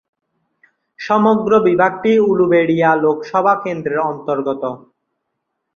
সমগ্র বিভাগটি উলুবেড়িয়া লোকসভা কেন্দ্রের অন্তর্গত।